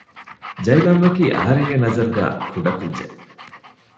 ޖައިލަމްއަކީ އަހަރެންގެ ނަޒަރުގައި ކުޑަކުއްޖެެއް